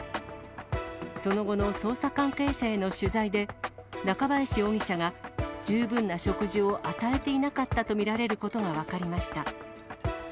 その後の捜査関係者への取材で、中林容疑者が十分な食事を与えていなかったと見られることが分かりました。